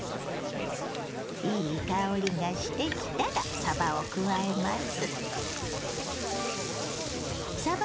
いい香りがしてきたらさばを加えます。